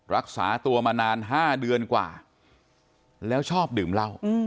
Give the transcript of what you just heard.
รักษาตัวมานาน๕เดือนกว่าแล้วชอบดื่มเหล้า